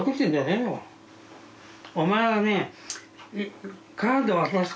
お前はね。